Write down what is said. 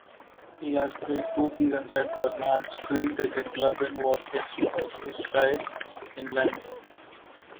He has played two seasons at Barnards Green Cricket Club in Worcestershire, England.